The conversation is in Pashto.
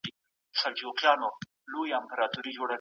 د چاد زلفو ښايسته